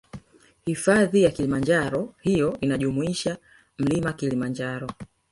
Hifadhi ya kilimanjaro hiyo inajumuisha mlima kilimanjaro